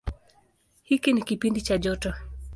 Hiki ni kipindi cha joto.